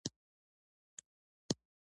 د نبي له اشارې څوک ناخبر نه دي.